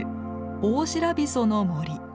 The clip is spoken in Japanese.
オオシラビソの森。